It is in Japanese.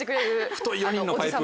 太い４人のパイプ。